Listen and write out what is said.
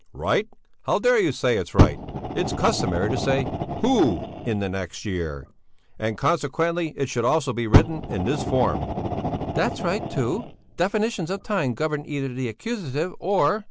"Right? How dare you say it's right? It's customary to say who in the next year, and consequently it should also be written in this form." "That's right, too; definitions of time govern either the accusative or...."